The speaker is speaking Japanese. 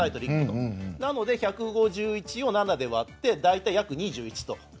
なので１５１を７で割って大体、約２１と。